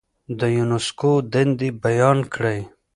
د یونسکو دندې بیان کړئ.